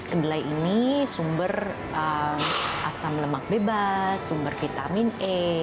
kedelai ini sumber asam lemak bebas sumber vitamin e